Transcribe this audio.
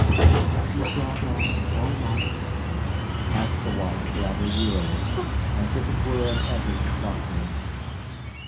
"Have you gone on all right?" asked the wife, rather wearily, as if it were an effort to talk to him.